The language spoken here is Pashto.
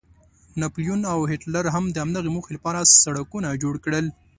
ناپلیون او هیټلر هم د همدغې موخې لپاره سړکونه جوړ کړل.